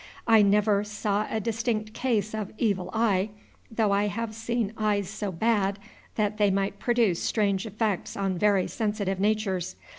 I never saw a distinct case of evil eye, though I have seen eyes so bad that they might produce strange effects on very sensitive natures.